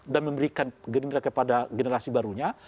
dan memberikan gerindra kepada generasi barunya